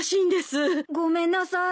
ごめんなさい。